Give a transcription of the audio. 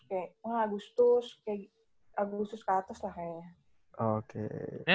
kayak agustus ke atas lah kayaknya